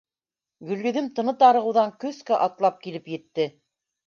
Гөлйөҙөм тыны тарығыуҙан көскә атлап килеп етте.